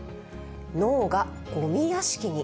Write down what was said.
脳がごみ屋敷に。